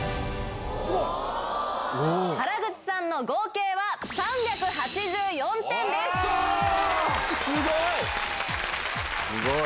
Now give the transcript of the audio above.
原口さんの合計は３８４点ですごい。